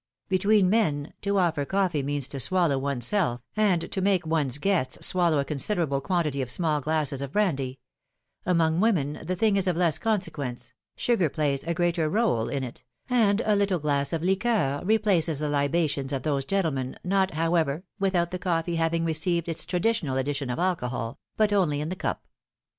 Between men, to offer coffee means to swallow one's self, and to make one's guests swallow a considerable quantity of small glasses of brandy ; among women the thing is of less consequence, sugar plays a greater r6le in it, and a little glass of liqueur replaces the libations of those gentlemen, not, however, without the coffee having received its traditional addition of alcohol, but only in the cup.